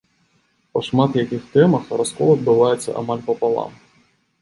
Па шмат якіх тэмах раскол адбываецца амаль папалам.